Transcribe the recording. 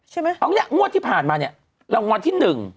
ใช่ไหมงวดที่ผ่านมาเนี่ยรางวัลที่หนึ่ง